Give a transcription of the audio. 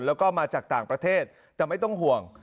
แล้วก็มาจากต่างประเทศแต่ไม่ต้องห่วง